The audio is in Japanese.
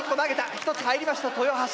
１つ入りました豊橋。